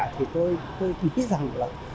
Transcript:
thì tôi nghĩ rằng là